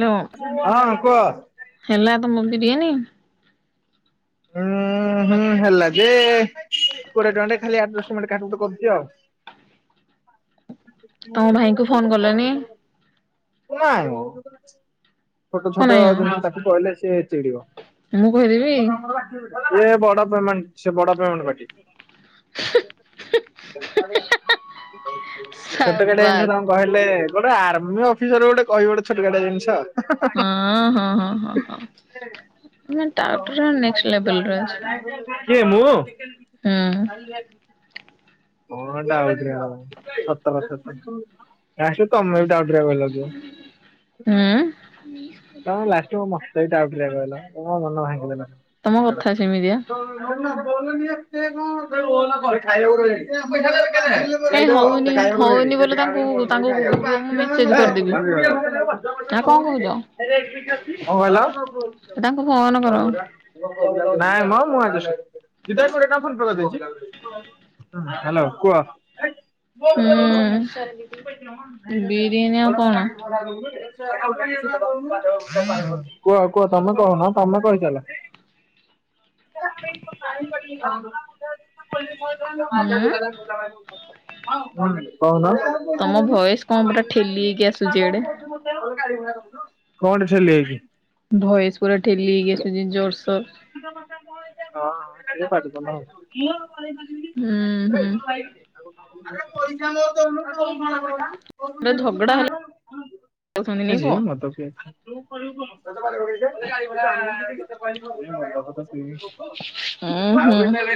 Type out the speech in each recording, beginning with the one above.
No ହଁ କୁହ। ହେଲା ତମ ବିରିୟାନୀ? ଉୁଁ ହୁଁ ହେଲା ଯେ କୋଡିଏ ଟଙ୍କାଟେ ଖାଲି [unintelligible] ଟଙ୍କେଟେ କାଠଟ କରୁଛି ଆଉ। ହଁ। [unintelligible] କଲନି ନାଇଁ ଛୋଟ କଣ ଛୋଟ ପାଇଁ ଯାହା ତାକୁ କହିଲେ ସିଏ ଚିଡିବ। ମୁଁ କହିଦେବି? ଏ ବଡ ପେମେଣ୍ଟ ସେ ବଡ ପେମେଣ୍ଟ ପାଟି। ଛୋଟ ସାବାସ୍ କାଟିଆଙ୍କର କହିଲେ ଗୋଟେ ଆର୍ମି ଅଫିସର ଗୋଟେ କହିବ ଗୋଟେ ଛୋଟ କାଟେ ଜିନିଷ। ହଁ ହଁ ହଁ ହଁ ହଁ ତାପରେ ନେ କିଏ ମୁଁ ସତ କଥା ତ ଲାଷ୍ଟକୁ ତମେ ବି ଡାଉଟ ରେ ପଇଲ କିଓ ହୁଁ ସେଇ ଡାଉଟରେ ପଡିଲ ମୋ ମନ ଭାଙ୍ଗିିଦେଲ। ତମ କଥା ସେମିତିଆ [unintelligible] [unintelligible] ଏ ହଉନି କଣ ହଉନି ବୋଲେ ତାଙ୍କୁ କହିଲ? ତାଙ୍କୁ ଗ୍ରୁପ ମୁଁ ମେସେଜ କରିଦେବି ନା କଣ କହୁଛ ତାଙ୍କୁ ଫୋନ କର ନାଇଁ ମ ମୁଁ ଆଦି [unintelligible] କରିଦେଇଛି। ହ୍ୟାଲୋ କୁହ। [unintelligible] ହୁଁ ବିରିୟାନୀ ଆଉ କଣ କୁହ। କୁହ ତମେ କହୁନ ତମେ କହିଚାଲ। [unintelligible] ହୁଁ ହଁ କହୁନ। ତମ ଭଏସ କଣ ପୁରା କଣଟେ ଠେଲି ହେଇକି ଆସୁଛି ଏଡେ ଛେଲି ଯାଇଛି। ଭୟସ ପୁରା ଢେଲିହେଇକି ଆସୁଛି ଜୋରସୋର। ହଁ [unintelligible] ହୁଁ ହୁଁ। [unintelligible] ଗୋଟେ ଝଗଡା ହେଲେ ଯାଉଛନ୍ତି ନାଇଁ ଯି କଣ? ମତ ପିଏ। [unintelligible] ଉଁ ହୁଁ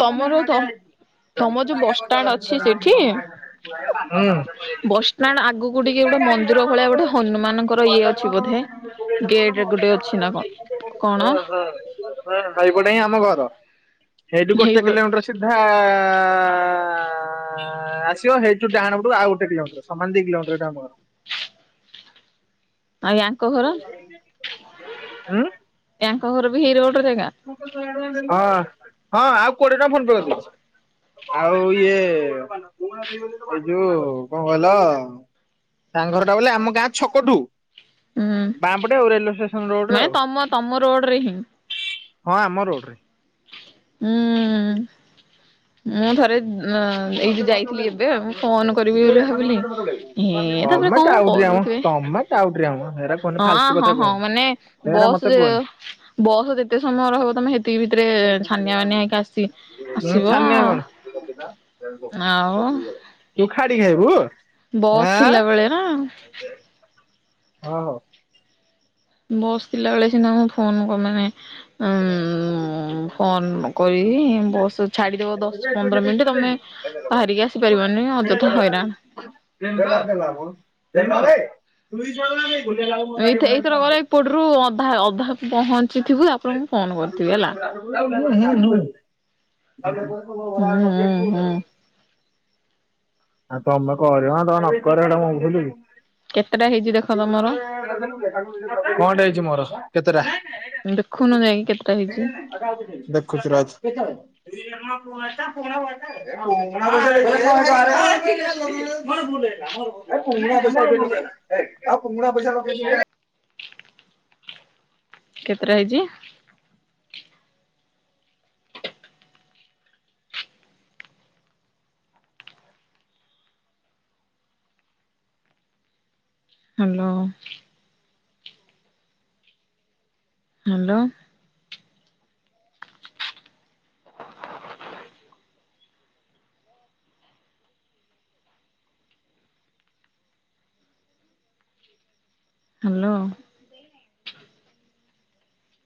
ତମର ତ ତମ ଯୋଉ ବସଷ୍ଟାଣ୍ଡ ଅଛି ସେଇଠି [unintelligible] ବସଷ୍ଟାଣ୍ଡ ଆଗକୁ ଟିକେ ଗୋଟେ ମନ୍ଦିର ଭଳିଆ ଗୋଟେ ହନୁମାନଙ୍କର ଇଏ ଅଛି ବୋଧେ ଗେଟରେ ଗୋଟେ ଅଛି ନା କଣ କଣ ହ ହଁ ସାଇପଟେ ହିଁ ଆମ ଘର ସେଇଠୁ ଗୋଟେ ହେଇବ କିଲୋମିଟର। ସୁଧାଁଆଁ ଆଁ ଆସିବ ହେଇଛୁ ଡାହାଣ ପଟୁ ଆଉ ଗୋଟ କୋମିଟର ସମାନ ଦି କିଲୋମିଟର ଆମର। ଆଉ ୟାଙ୍କ ଘର। ଆଁ। ୟାଙ୍କ ଘର ବି ହେଇ ରୋଡର ଜାଗା। ହଁ ହଁ ଆଉ କୋଡିଏ ଟଙ୍କା ଫୋନ ପେ କରି ଦେଇଛି। ଆଉ ଇଏ ଏଇ ଯଉ କଣ କହିଲ। ତାଙ୍କ ଘର ଟା ବୋଲେ ଆମ ଗାଁ ଛକଠୁ ହୁଁ ବାଆଁ ପଟେ ଆଉ ରେଲୱେ ଷ୍ଟେସନ ରୋଡରେ ମାନେ ଆଉ। ତମ ତମ ରୋଡ଼ରେ ହିଁ। ହଁ ଆମ ରୋଡ ରେ। ହୁଁ। ମୁଁ ଥରେ ଅ ଏଇ ଯାଇଥିଲି ଏବେ ମୁଁ ଫୋନ କରିବି ବୋଲି ଭାବିଲି। ଏ ତାପରେ ତମେ କଣ ଟାଉଟରିଆ ମ କରୁଥିବେ, ତମେ ଟାଉଟରିଆ ମ ହେରା କୁହନି ହଁ ଫାଲତୁ ହଁ କଥା ହଁ କୁହନି। ମାନେ ହେରା ବସ୍, ମତେ ଯେ କୁହନି ବସ୍ ଯେତେ ସମୟ ରହିବ ତମେ ହେତିକି ଭିତରେ ଥାନିଆ ମାନିଆ ହେଇକି ଆସି ମୁଁ ଆସିବ ଛାନିଆ କଣ ଆଉ ତୁ ଖାଡି ହେବୁ। ବସ୍ ଥିଲା ବେଳେ ନା। ହଁ ହଁ। ବସ ଥିଲା ବେଳେ ସିନା ମୁ ଫୋନ କ ମାନେ [unintelligible] ଉଁ ଫୋନ କରି ବସ ଛାଡିଦବ ଦଶ ପନ୍ଦର ମିନିଟ ତମେ ବାହାରିକି ଆସି ପାରିବନି ଅଯଥା ହଇରାଣ। [unintelligible] ଏଇଥ-ଏଇଥର କଲେ ଏପଟରୁୁ ଅଧା ଅଧା ପହଞ୍ଚିଥିବୁ ଆପଣଙ୍କୁ ହୁଁ ହୁଁ ହୁଁ [unintelligible] ଆଉ ତମେ କହିଲ ବା ତମେ ନକର ଏଇଟା ମୁଁ ଭୁଲିବି। କେତେଟା ହେଇଛି ଦେଖ ତମର କଣଟେ ହେଇଛି ମୋର କେତେଟା? ଦେଖୁନୁ ଯାଇକି କେତେଟା ହେଇଛି। ଦେଖିଛି ରହ [unintelligible] [unintelligible] କେତେଟା ହେଇଛି? ହ୍ୟାଲୋ। ହ୍ୟାଲୋ। ହ୍ୟାଲୋ।